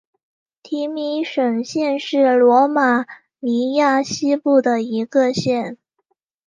蒂米什县是罗马尼亚西部的一个县。